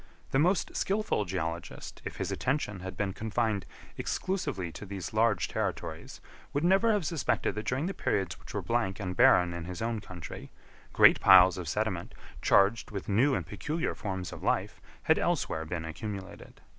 The most skilful geologist, if his attention had been confined exclusively to these large territories, would never have suspected that during the periods which were blank and barren in his own country, great piles of sediment, charged with new and peculiar forms of life, had elsewhere been accumulated.